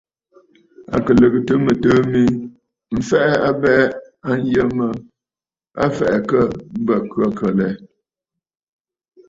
À kɨ lɨ̀gɨtə̀ mɨtɨ̀ɨ̂ mi mbɨɨnə̀ m̀fɛ̀ʼɛ̀ abɛɛ a yə mə a fɛ̀ʼɛ akə bə khə̂kə̀ lɛ.